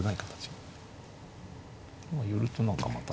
でも寄ると何かまた。